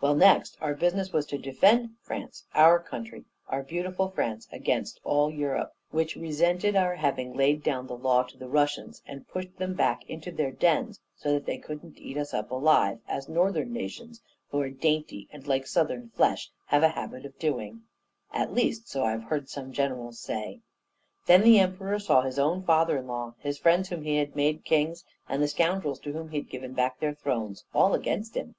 Well, next, our business was to defend France, our country, our beautiful France, against, all Europe, which resented our having laid down the law to the Russians, and pushed them back into their dens so that they couldn't eat us up alive, as northern nations, who are dainty and like southern flesh, have a habit of doing at least, so I've heard some generals say. Then the Emperor saw his own father in law, his friends whom he had made kings, and the scoundrels to whom he had given back their thrones, all against him.